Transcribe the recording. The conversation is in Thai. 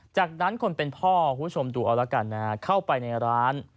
จากนั้นคนเป็นพ่อผู้ชมดูแล้วกันเข้าไปในร้าน